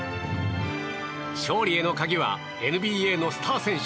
勝利への鍵はＮＢＡのスター選手